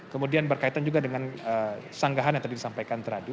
kemudian berkaitan juga dengan sanggahan yang tadi disampaikan teradu